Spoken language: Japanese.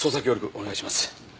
お願いします。